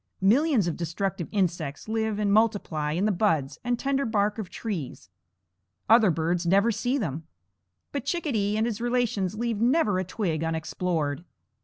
Millions of destructive insects live and multiply in the buds and tender bark of trees. Other birds never see them, but Chickadee and his relations leave never a twig unexplored.